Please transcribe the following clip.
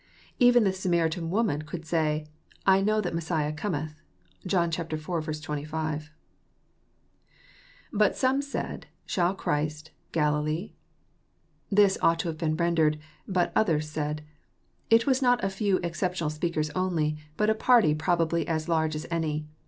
Even the Samari tan woman could say, *'I know that Messiah cometh.*' (John iv. 25.) {But some said. Shall Christ.,, Galilee f] This ought to have been rendered, " But others said." It was not a few exception al speakers only, but a party probably as large as any.